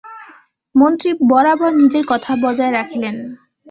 মন্ত্রী বরাবর নিজের কথা বজায় রাখিলেন।